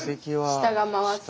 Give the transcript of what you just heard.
下が回す。